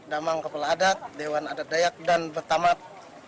damang kepala adat dewan adat dayak dan betamat